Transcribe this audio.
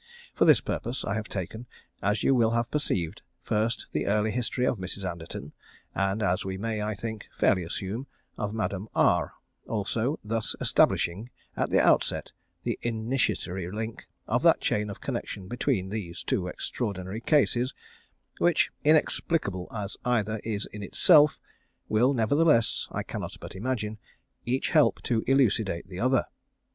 For this purpose I have taken, as you will have perceived, first the early history of Mrs. Anderton, and as we may, I think, fairly assume, of Madame R also, thus establishing, at the outset, the initiatory link of that chain of connection between these two extraordinary cases, which, inexplicable as either is in itself, will nevertheless, I cannot but imagine, each help to elucidate the other.